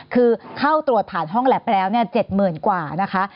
คือเข้าตรวจผ่านห้องแลพไปแล้วเนี่ยเจ็ดหมื่นกว่านะคะ